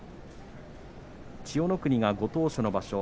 千代の国がご当所の場所